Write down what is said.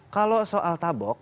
kalau soal tabok